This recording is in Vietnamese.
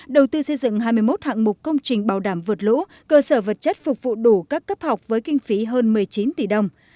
đầu tư xây dựng hai mươi một hạng mục công trình bảo đảm vượt lũ cơ sở vật chất phục vụ đủ các cấp học với kinh phí hơn một mươi chín tỷ đồng